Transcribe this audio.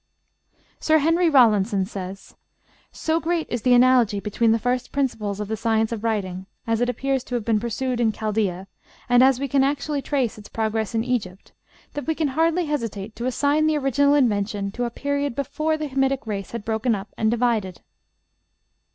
Sir Henry Rawlinson says: "So great is the analogy between the first principles of the Science of writing, as it appears to have been pursued in Chaldea, and as we can actually trace its progress in Egypt, that we can hardly hesitate to assign the original invention to a period before the Hamitic race had broken up and divided."